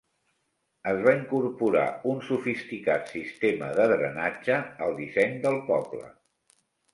Es va incorporar un sofisticat sistema de drenatge al disseny del poble.